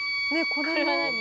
これは何？